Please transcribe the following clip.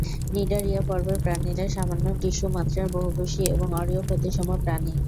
Cnidaria পর্বের প্রাণীরা সামান্য টিস্যু মাত্রার, বহুকোষী এবং অরীয় প্রতিসম প্রাণী।